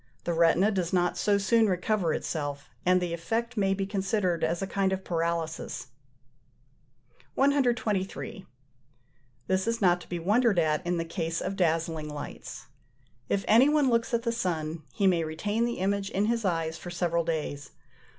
The retina does not so soon recover itself; and the effect may be considered as a kind of paralysis (28). 123. This is not to be wondered at in the case of dazzling lights. If any one looks at the sun, he may retain the image in his eyes for several days.